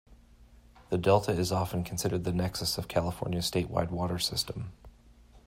The Delta is often considered the nexus of California's statewide water system.